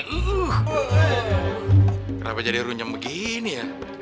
kenapa jadi runyam begini ya